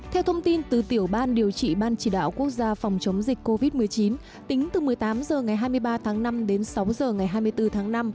theo thông tin từ tiểu ban điều trị ban chỉ đạo quốc gia phòng chống dịch covid một mươi chín tính từ một mươi tám h ngày hai mươi ba tháng năm đến sáu h ngày hai mươi bốn tháng năm